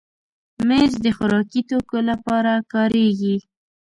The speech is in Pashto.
مېز د خوراکي توکو لپاره کارېږي.